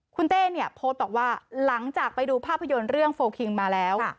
คุณเต้เนี่ยโพสต์บอกว่าหลังจากไปดูภาพยนตร์เรื่องโฟลคิงมาแล้ว